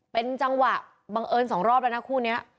เป็นจังหวะบังเอิญสองรอบแล้วนะคู่นี้